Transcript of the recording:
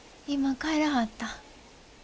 今帰らはった。